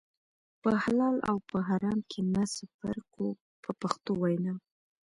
په حلال او په حرام کې نه څه فرق و په پښتو وینا.